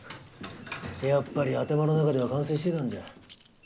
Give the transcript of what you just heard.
やっぱり頭の中では完成してたんじゃん。